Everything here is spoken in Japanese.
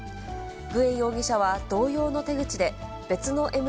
グエン容疑者は同様の手口で、別のＭＤＭＡ